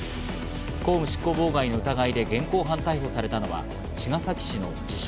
公務執行妨害の疑いで現行犯逮捕されたのは、茅ヶ崎市の自称